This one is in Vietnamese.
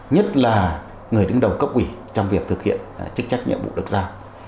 nhất là người đứng đầu cấp quỷ trong việc thực hiện chức trách nhiệm vụ được ra